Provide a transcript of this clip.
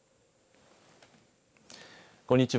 こんにちは。